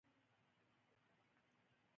پرون احمد تر ځمکې ووت.